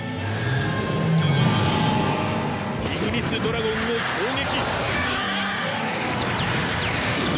イグニスドラゴンを攻撃！